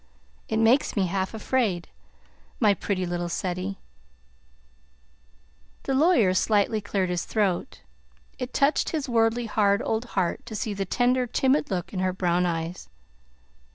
It makes me half afraid. My pretty little Ceddie!" The lawyer slightly cleared his throat. It touched his worldly, hard old heart to see the tender, timid look in her brown eyes.